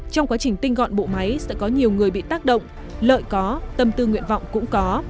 trong quá trình tinh gọn bộ máy sẽ có nhiều người bị tác động lợi có tâm tư nguyện vọng cũng có